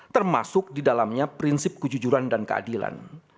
termasuk di dalamnya prinsip kejujuran dan keadilan